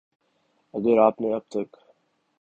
اگر آپ نے اب تک